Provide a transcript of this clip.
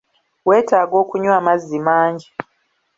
Wetaaga okunywa amazzi mangi.